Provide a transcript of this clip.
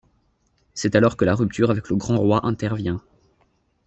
C'est alors que la rupture avec le Grand-Roi intervient.